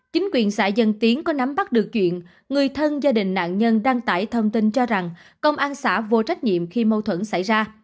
chính quyền xã dân tiến có nắm bắt được chuyện người thân gia đình nạn nhân đăng tải thông tin cho rằng công an xã vô trách nhiệm khi mâu thuẫn xảy ra